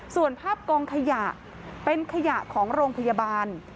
ส่วนภาพกองขยะเป็นขยะของโรงพยาบาล